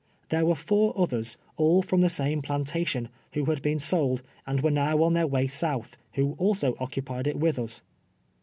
There were four others, all from the same iihuitation, Avho had been sold, and were now on tlieir way south, who also occupied it Avith us.